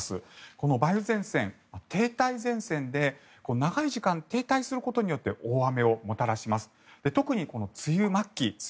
この梅雨前線、停滞前線で長い時間停滞することで大雨をもたらします。